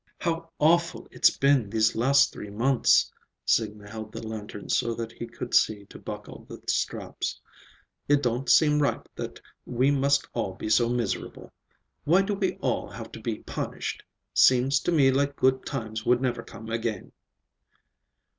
"How awful it's been these last three months." Signa held the lantern so that he could see to buckle the straps. "It don't seem right that we must all be so miserable. Why do we all have to be punished? Seems to me like good times would never come again."